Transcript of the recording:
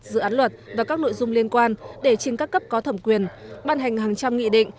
dự án luật và các nội dung liên quan để trên các cấp có thẩm quyền ban hành hàng trăm nghị định